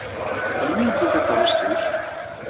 Melmi i yewwi takeṛṛust-ik?